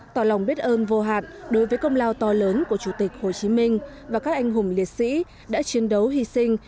tỏ lòng biết ơn vô hạn đối với công lao to lớn của chủ tịch hồ chí minh và các anh hùng liệt sĩ đã chiến đấu hy sinh